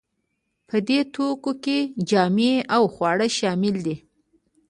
په دې توکو کې جامې او خواړه شامل دي.